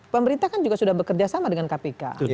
pemerintah kan juga sudah bekerja sama dengan kpk